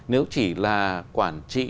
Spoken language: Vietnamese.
nếu chỉ là quản trị